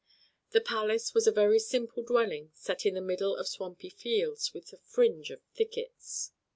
The palace was a very simple dwelling set in the middle of swampy fields, with a fringe of thickets.